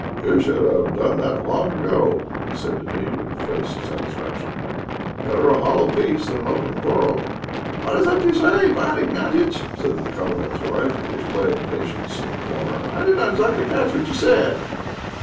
"You should have done that long ago," he said to me, with a face of satisfaction. "Better a hollow peace than an open quarrel." "What is that you say, Iwán Ignatiitch?" said the Commandant's wife, who was playing patience in a corner. "I did not exactly catch what you said."